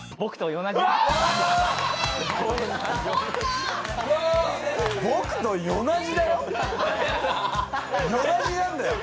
「よなじ」なんだよ。